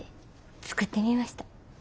作ってみました。